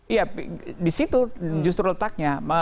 ya disitu justru letaknya